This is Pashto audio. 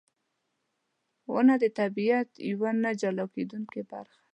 • ونه د طبیعت یوه نه جلا کېدونکې برخه ده.